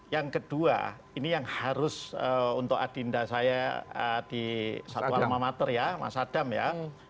yang kedua ini yang harus untuk adinda saya di satu alma mater ya mas adam ya